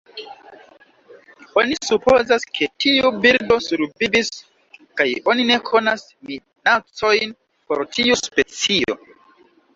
Oni supozas ke tiu birdo survivis kaj oni ne konas minacojn por tiu specio.